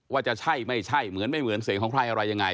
ว่าจะใช่ไม่ใช่เหมือนไม่เหมือนเสียงของใครอะไรยังไง